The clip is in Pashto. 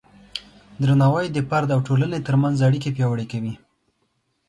درناوی د فرد او ټولنې ترمنځ اړیکې پیاوړې کوي.